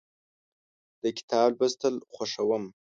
د کتاب لوستل خوښوم.